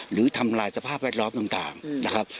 หรือทำลายสภาพแวดล้อมต่าง